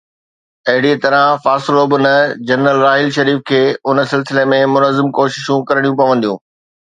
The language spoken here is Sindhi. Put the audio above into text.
اهڙي طرح فاصلو به نه، جنرل راحيل شريف کي ان سلسلي ۾ منظم ڪوششون ڪرڻيون پونديون.